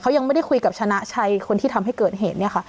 ยังไม่ได้คุยกับชนะชัยคนที่ทำให้เกิดเหตุเนี่ยค่ะ